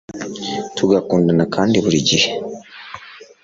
tugakundana kandi buri gihe